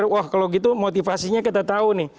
wah kalau gitu motivasinya kita tahu nih